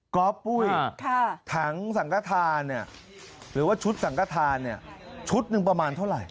ก๊อบปุ้ยถังสังฆาธาเนี่ยหรือว่าชุดสังฆาธาเนี่ยชุดนึงประมาณเท่าไหร่